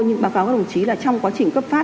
như báo cáo các đồng chí là trong quá trình cấp phát